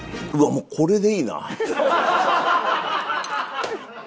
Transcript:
もうこれでいいな。